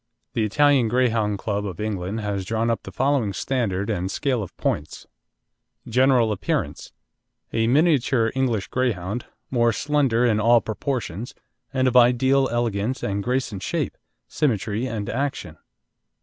The Italian Greyhound Club of England has drawn up the following standard and scale of points: GENERAL APPEARANCE A miniature English Greyhound, more slender in all proportions, and of ideal elegance and grace in shape, symmetry, and action.